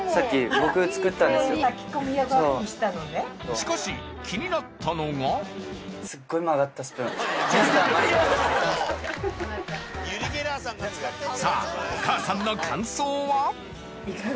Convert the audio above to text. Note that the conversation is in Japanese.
しかし気になったのがさぁお母さんの感想は？